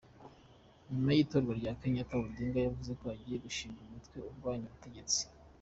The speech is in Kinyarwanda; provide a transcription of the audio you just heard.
Nyuma y’itorwa rya Kenyatta, Odinga yavuze ko agiye gushinga umutwe urwanya ubutegetsi.